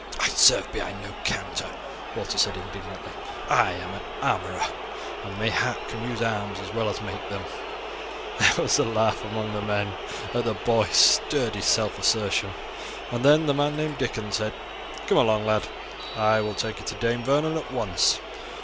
"I serve behind no counter," Walter said indignantly. "I am an armourer, and mayhap can use arms as well as make them." There was a laugh among the men at the boy's sturdy self assertion, and then the man named Dikon said: "Come along, lad. I will take you to Dame Vernon at once.